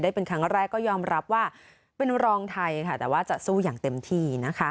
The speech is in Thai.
ได้เป็นครั้งแรกก็ยอมรับว่าเป็นรองไทยแต่จะสู้อย่างเต็มที่